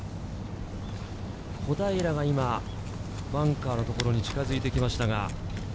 小平が今、バンカーの所に近づいてきました。